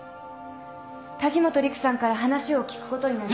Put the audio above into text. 滝本陸さんから話を聞くことになり。